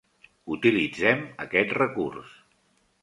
Utilitzem aquest recurs.